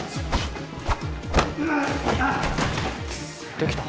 できた。